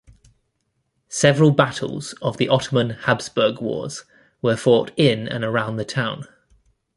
Several battles of the Ottoman-Habsburg wars were fought in and around the town.